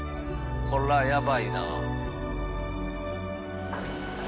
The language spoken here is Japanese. これはヤバいな。